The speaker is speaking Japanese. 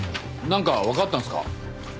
何か分かったんすか？